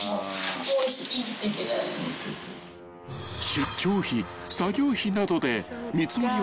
［出張費作業費などで］